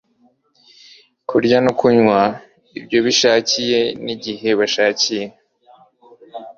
kurya no kunywa ibyo bishakiye nigihe bashakiye